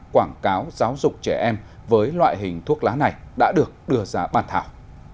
quảng cáo giáo dục trẻ em với loại hình thuốc lá này đã được đưa ra bàn thảo